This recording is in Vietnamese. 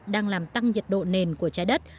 đang làm tăng nhiệt độ nền của trái đất